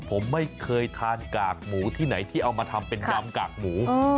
ผมไม่เคยทานกากหมูที่ไหนที่เอามาทำเป็นยำกากหมู